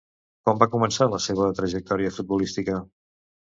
Com va començar la seva trajectòria futbolística?